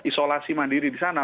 isolasi mandiri di sana